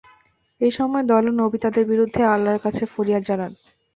এই সময় দয়ালু নবী তাদের বিরুদ্ধে আল্লাহর কাছে ফরিয়াদ জানান।